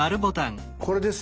これですね。